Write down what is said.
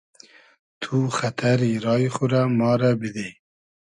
تو خئتئری رای خو رۂ ما رۂ بیدی